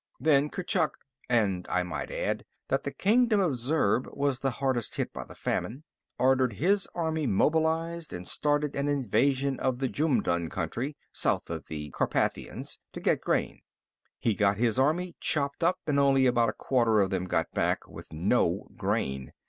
"Then Kurchuk, and I might add that the kingdom of Zurb was the hardest hit by the famine, ordered his army mobilized and started an invasion of the Jumdun country, south of the Carpathians, to get grain. He got his army chopped up, and only about a quarter of them got back, with no grain.